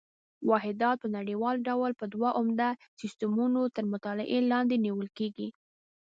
واحدات په نړیوال ډول په دوه عمده سیسټمونو تر مطالعې لاندې نیول کېږي.